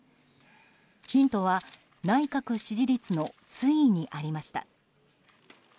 ヒントは内閣支持率の推移にありました。